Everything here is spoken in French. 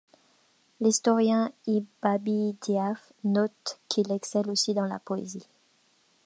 L'historien Ibn Abi Dhiaf note qu'il excelle aussi dans la poésie.